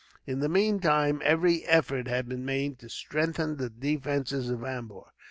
In the meantime, every effort was made to strengthen the defences of Ambur.